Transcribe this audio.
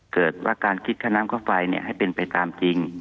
เกิดว่าการคิดค่าน้ำค่าไฟให้เป็นไปตามจริง